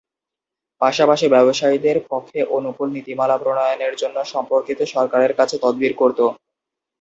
পাশাপাশি ব্যবসায়ীদের পক্ষে অনুকূল নীতিমালা প্রণয়নের জন্য সম্পর্কিত সরকারের কাছে তদবির করত।